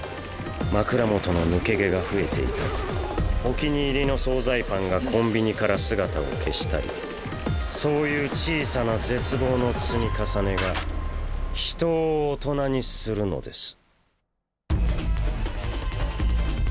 枕元の抜け毛が増えていたりお気に入りの総菜パンがコンビニから姿を消したりそういう小さな絶望の積み重ねが人を大人にするのです。